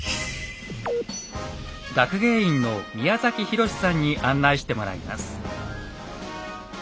学芸員の宮崎博司さんに案内してもらいます。